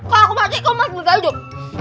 kalau aku mati kau masih bisa hidup